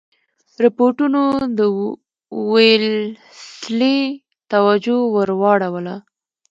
رپوټونو د ویلسلي توجه ور واړوله.